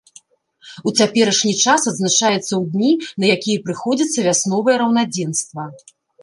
У цяперашні час адзначаецца ў дні, на якія прыходзіцца вясновае раўнадзенства.